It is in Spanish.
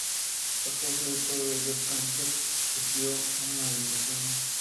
A causa de todo ello, Kastner sufrió una depresión.